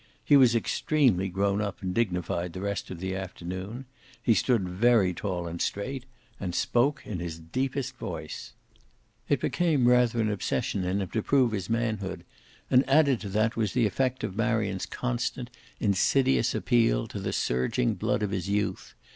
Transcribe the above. He was extremely grown up and dignified the rest of the afternoon; he stood very tall and straight, and spoke in his deepest voice. It became rather an obsession in him to prove his manhood, and added to that was the effect of Marion's constant, insidious appeal to the surging blood of his youth.